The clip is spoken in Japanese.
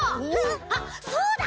あっそうだ！